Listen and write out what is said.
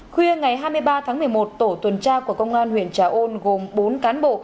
khuya ngày hai mươi ba tháng một mươi một tổ tuần tra của công an huyện trà ôn gồm bốn cán bộ